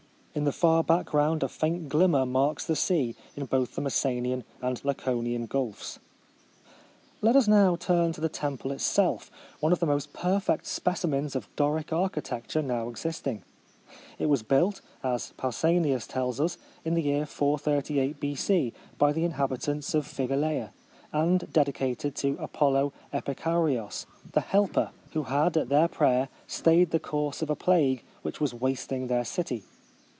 In the far background a faint glimmer marks the sea in both the Mes senian and Laconian gulfs. 1878.] A Hide across the Peloponnese. 559 Let us now turn to the temple itself, — one of the most perfect specimens of Doric architecture now existing. It was built, as Pausanias tells us, in the year 438 B.C., by the inhabitants of Phigaleia, and dedicated to Apollo Epikourios — the Helper — who had, at their prayer, stayed the course of a plague which was wasting their city.